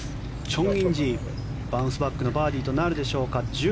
チョン・インジバウンスバックのバーディーとなるでしょうか。